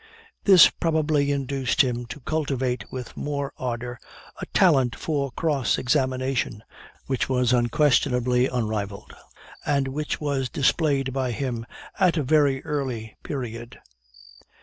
This probably induced him to cultivate with more ardor a talent for cross examination, which was unquestionably unrivalled, and which was displayed by him at a very early period.